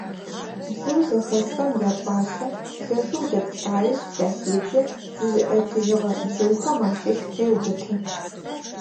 Бзыу зэхэсхэм якӏуашъэ, лъэшэу дэпкӏаешъ, захедзэ, зызыӏэтыжьыгъэ бзыухэм ащыщ къеубыты.